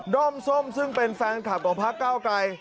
้อมส้มซึ่งเป็นแฟนคลับของพักเก้าไกร